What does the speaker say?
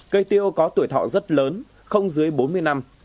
cây tiêu có tuổi thọ rất lớn không dưới bốn mươi năm